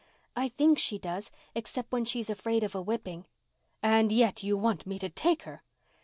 "I think she does, except when she's afraid of a whipping." "And yet you want me to take her!"